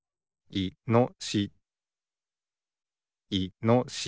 いのしし。